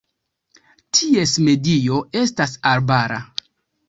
Ties medio estas arbara.